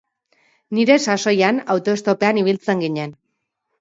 Nire sasoian autoestopean ibiltzen ginen.